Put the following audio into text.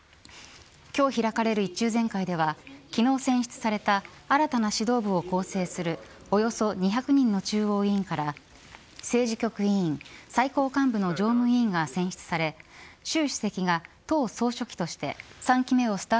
今日、開かれる１中全会では昨日、選出された新たな指導部を構成するおよそ２００人の中央委員から政治局委員、最高幹部の常務委員が選出され習